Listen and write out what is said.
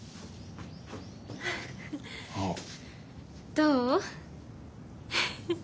どう？